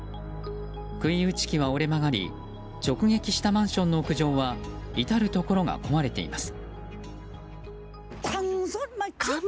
杭打ち機は折れ曲がり直撃したマンションの屋上は至るところが壊れています。